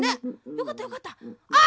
よかったよかった。